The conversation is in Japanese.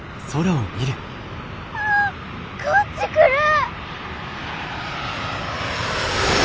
わあこっち来る！